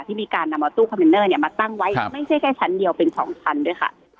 ที่มีการนำเอาตู้คอนเทนเนอร์เนี่ยมาตั้งไว้ไม่ใช่แค่ชั้นเดียวเป็น๒ชั้นด้วยค่ะ